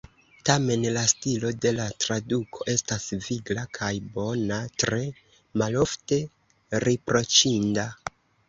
Tamen, la stilo de la traduko estas vigla kaj bona, tre malofte riproĉinda.